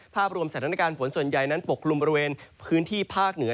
ภาพรวมสถานการณ์ฝนส่วนใหญ่นั้นปกลุ่มบริเวณพื้นที่ภาคเหนือ